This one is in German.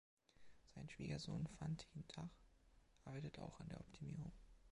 Sein Schwiegersohn, Phan Thien Thach, arbeitet auch an der Optimierung.